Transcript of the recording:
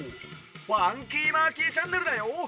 『ファンキーマーキーチャンネル』だよ！